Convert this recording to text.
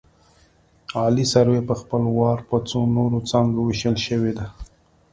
عالي سروې په خپل وار په څو نورو څانګو ویشل شوې ده